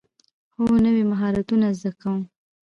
هو، نوی مهارتونه زده کوم